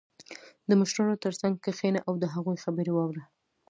• د مشرانو تر څنګ کښېنه او د هغوی خبرې واوره.